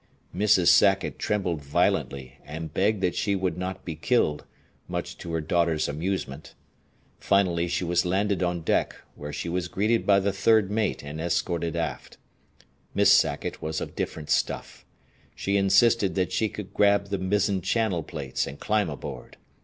Mrs. Sackett trembled violently and begged that she would not be killed, much to her daughter's amusement. Finally she was landed on deck, where she was greeted by the third mate and escorted aft. Miss Sackett was of different stuff. She insisted that she could grab the mizzen channel plates and climb aboard.